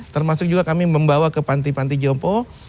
termasuk juga kami membawa ke panti panti jompo